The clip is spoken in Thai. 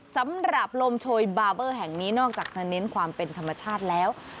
สำหรับลมโชยบาร์เบอร์แห่งนี้นอกจากจะเน้นความเป็นธรรมชาติแล้ว